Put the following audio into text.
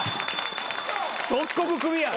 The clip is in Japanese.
即刻クビや。